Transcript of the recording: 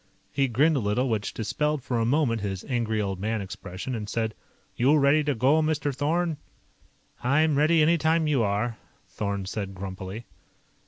He grinned a little, which dispelled for a moment his Angry Old Man expression, and said: "You ready to go, Mr. Thorn?" "I'm ready any time you are," Thorn said grumpily.